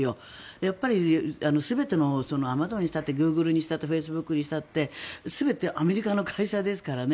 やっぱり全てアマゾンにしたってグーグルにしたってフェイスブックにしたって全てアメリカの会社ですからね。